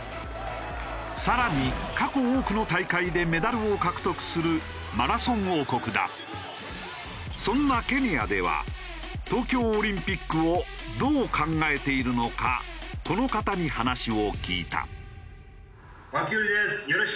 更に過去多くの大会でメダルを獲得するそんなケニアでは東京オリンピックをどう考えているのかこの方に話を聞いた。